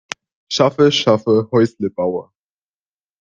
Schaffe schaffe Häusle baue.